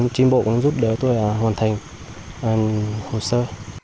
tri bộ cũng giúp đỡ tôi là hoàn thành hồ sơ